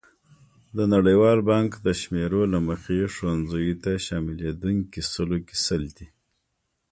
د نړیوال بانک د شمېرو له مخې ښوونځیو ته شاملېدونکي سلو کې سل دي.